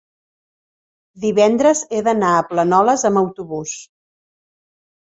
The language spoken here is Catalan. divendres he d'anar a Planoles amb autobús.